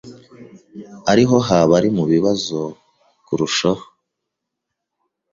ariho haba hari mu bibazo kurushaho,